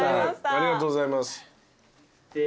ありがとうございます。